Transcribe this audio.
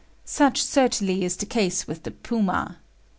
Such certainly is the case with the puma.